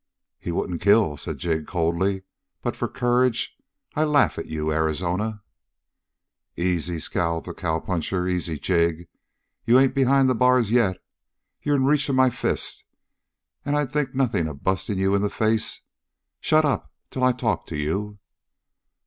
"He wouldn't kill," said Jig coldly. "But for courage I laugh at you, Arizona!" "Easy," scowled the cowpuncher. "Easy, Jig. You ain't behind the bars yet. You're in reach of my fist, and I'd think nothing of busting you in the face. Shut up till I talk to you."